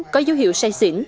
có dấu hiệu say xỉn